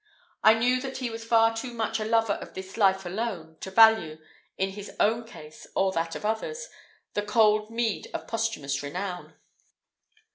I knew that he was far too much a lover of this life alone, to value, in his own case or that of others, the cold meed of posthumous renown.